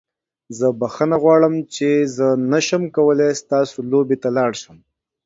زه بخښنه غواړم چې زه نشم کولی ستاسو لوبې ته لاړ شم.